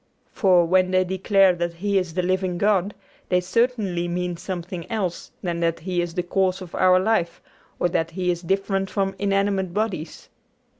For, when they declare that He is the living God, they certainly mean something else than that He is the cause of our life or that He is different from inanimate bodies.